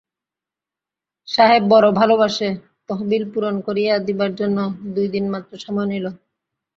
সাহেব বড়ো ভালোবাসে, তহবিল পূরণ করিয়া দিবার জন্য দুইদিনমাত্র সময় দিল।